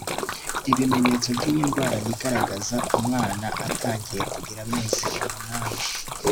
Ibimenyetso by’iyi ndwara yigaragaza umwana atangiye kugira amezi umunani